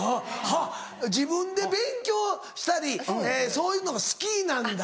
自分で勉強したりそういうのが好きなんだ。